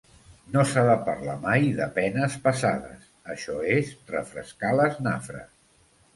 No s'ha de parlar mai de penes passades, això és refrescar les nafres.